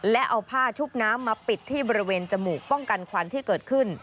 และเอาผ้าชุบน้ำมาปิดที่บริเวณจมูกป้องกันควันที่เกิดขึ้น